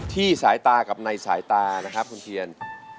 สายตากับในสายตานะครับคุณเทียน